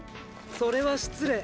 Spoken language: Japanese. それは失礼。